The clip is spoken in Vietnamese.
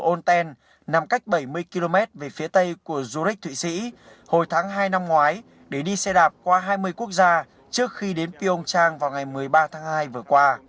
ôn tên nằm cách bảy mươi km về phía tây của zurich thụy sĩ hồi tháng hai năm ngoái để đi xe đạp qua hai mươi quốc gia trước khi đến pyeongchang vào ngày mùa hè hai nghìn một mươi sáu